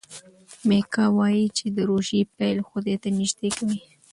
میکا وايي چې د روژې پیل خدای ته نژدې کوي.